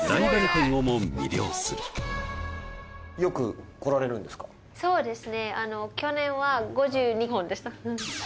はいそうですね